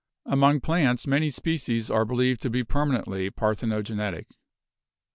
Among plants many species are believed to be permanently parthenogenetic.